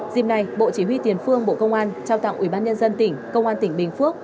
dìm nay bộ chỉ huy tiền phương bộ công an trao tặng ủy ban nhân dân tỉnh công an tỉnh bình phước